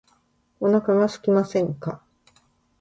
お腹がすきませんか